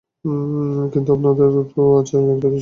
কিন্তু আপনাদের কাছে তো এটা তুচ্ছ একটা দুর্ঘটনা।